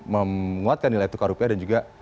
menguatkan nilai tukar rupiah dan juga